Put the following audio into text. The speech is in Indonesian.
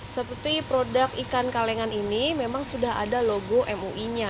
seperti produk ikan kalengan ini memang sudah ada logo mui nya